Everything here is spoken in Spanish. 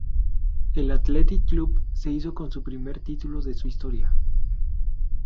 El Athletic Club se hizo con su primer título de su historia.